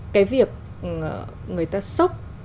cái việc người ta sốc